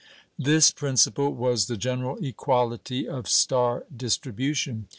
This principle was the general equality of star distribution.